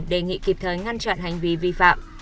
đề nghị kịp thời ngăn chặn hành vi vi phạm